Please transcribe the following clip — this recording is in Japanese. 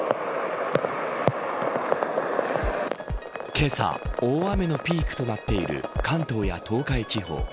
けさ、大雨のピークとなっている関東や東海地方。